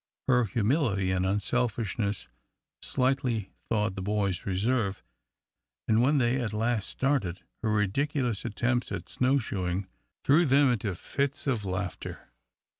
Her humility and unselfishness slightly thawed the boys' reserve, and when they at last started, her ridiculous attempts at snow shoeing threw them into fits of laughter.